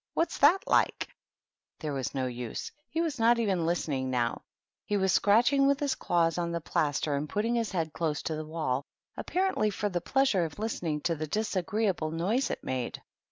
" What's that like ?" There was no use; he was not even listening now: he was scratching with his claws on the plaster and putting his head close to the wall, apparently for the pleasure of listening to the disagreeable noise it made.